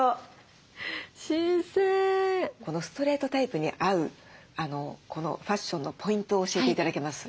このストレートタイプに合うこのファッションのポイントを教えて頂けます？